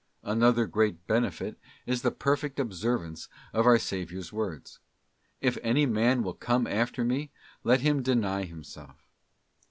Another great benefit is the perfect observance of our Saviour's words: 'If any man will come after Me, let him deny himself.